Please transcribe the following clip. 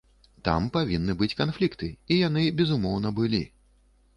Там павінны быць канфлікты, і яны, безумоўна, былі.